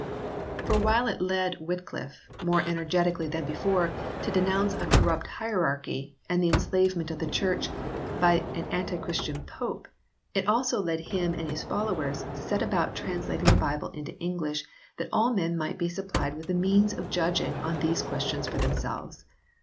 For while it led Wycliffe, more energetically than before, to denounce a corrupt hierarchy, and the enslavement of the Church by an antichristian Pope, it also led him and his followers to set about trans lating the Bible into English that all men might be supplied with the means of judging on these questions for themselves.